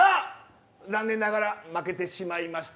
残念ながら負けてしまいました